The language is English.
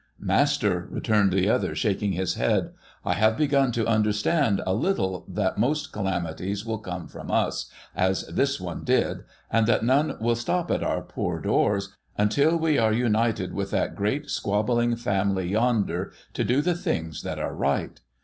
' Master,' returned the other, shaking his head, ' I have ])egun to understand a little that most calamities will come from us, as this one did, and that none will stop at our poor doors, until we are united with that great squabbling family yonder, to do the things that are right.